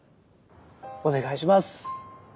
お願いします。